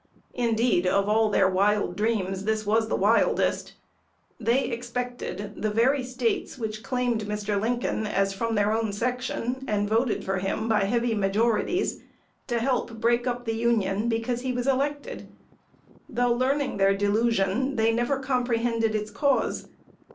Indeed, of all their wild dreams, this was wildest. They expected the very States which claimed Mr. Lincoln as from their own section, and voted for him by heavy majorities, to help break up the Union because he was elected! Though learning their delusion, they never comprehended its cause.